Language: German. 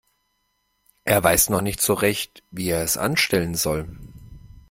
Er weiß noch nicht so recht, wie er es anstellen soll.